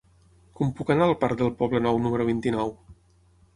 Com puc anar al parc del Poblenou número vint-i-nou?